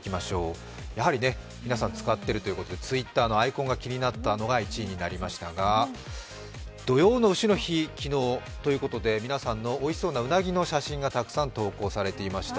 やはり皆さん、使っているということでＴｗｉｔｔｅｒのアイコンが気になったのが１位になりましたが土用の丑の日、昨日ということで、皆さんのおいしそうなうなぎの写真がたくさん投稿されていました。